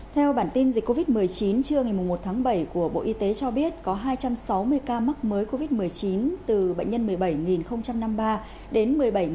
theo bản tin dịch covid một mươi chín trưa ngày một tháng bảy của bộ y tế cho biết có hai trăm sáu mươi ca mắc mới covid một mươi chín từ bệnh nhân một mươi bảy năm mươi ba đến một mươi bảy một mươi